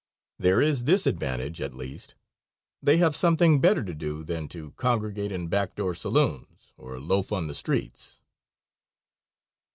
There is this advantage, at least: they have something better to do than to congregate in back door saloons or loaf on the streets.